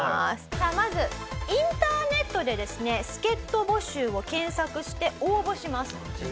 さあまずインターネットでですね助っ人募集を検索して応募します。